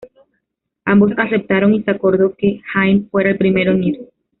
Ambos aceptaron y se acordó que Haydn fuera el primero en ir.